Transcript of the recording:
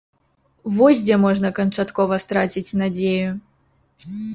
Вось дзе можна канчаткова страціць надзею!